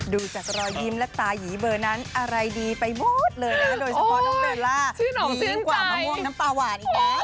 ดูจากลอยยิ้มละตายีเบอร์นั้นอะไรดีไปหมดเลยนะโดยสพาน้ำเบิฬลา